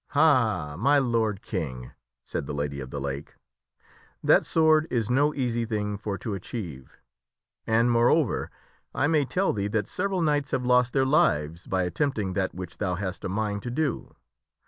" Ha ! my lord King," said the Lady of the Lake, " that sword is no easy thing for to achieve, and, moreover, I may tell thee that several knights have lost their lives by attempting that which thou hast a mind to do.